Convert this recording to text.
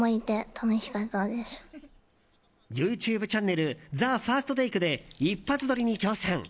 ＹｏｕＴｕｂｅチャンネル「ＴＨＥＦＩＲＳＴＴＡＫＥ」で一発撮りに挑戦。